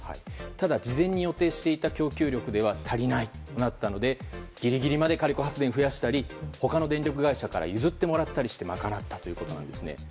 ただ事前に用意していた電力では足りないとなったのでギリギリまで火力発電を増やしたり他の電力会社から譲ってもらったりして賄ったということです。